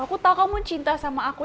aku tahu kamu cinta sama aku